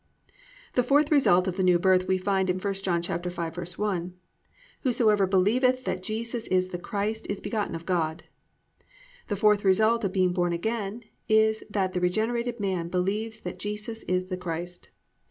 4. The fourth result of the New Birth we find in 1 John 5:1, +"Whosoever believeth that Jesus is the Christ is begotten of God."+ _The fourth result of being born again is that the regenerated man believes that Jesus is the Christ.